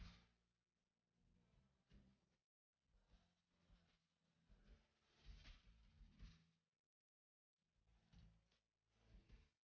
ibu selalu ada di sebelah kamu